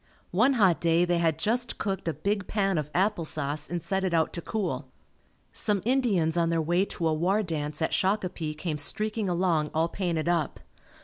One hot day they had just cooked a big pan of apple sauce and set it out to cool. Some Indians on their way to a war dance at Shakopee came streaking along all painted up.